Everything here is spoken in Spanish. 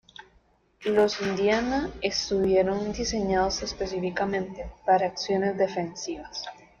Los "Indiana" estuvieron diseñados específicamente para acciones defensivas.